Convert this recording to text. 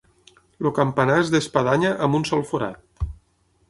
El campanar és d'espadanya amb un sol forat.